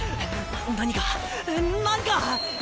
何か何か。